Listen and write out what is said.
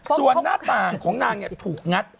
ส่วนหน้าต่างของนางถูกงัด